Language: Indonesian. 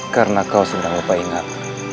karena kau sudah lupa ingat